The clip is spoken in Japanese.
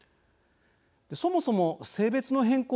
そもそも性別の変更